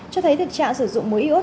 cho thấy tình trạng sử dụng mối iốt